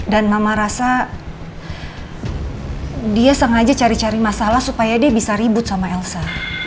dan mama rasa dia sengaja cari cari masalah supaya dia bisa ribut sama elsa